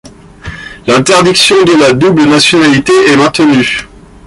L'interdiction de la Double nationalité est maintenue.